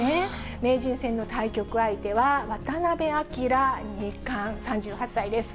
名人戦の対局相手は渡辺明二冠３８歳です。